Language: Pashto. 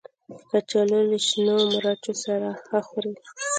کچالو له شنو مرچو سره ښه خوري